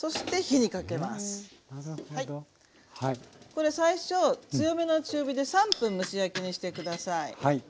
これ最初強めの中火で３分蒸し焼きにして下さい。